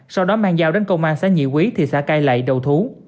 sau đó mang dao đến công an xã nhị quý thị xã cây lậy đầu thú